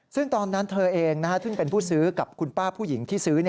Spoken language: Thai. ซึ่งตอนนั้นเธอเองซึ่งเป็นผู้ซื้อกับคุณป้าผู้หญิงที่ซื้อ